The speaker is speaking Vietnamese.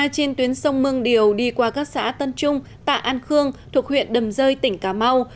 trên tuyến sông mương điều đi qua các xã tân trung tạ an khương thuộc huyện đầm rơi tỉnh cà mau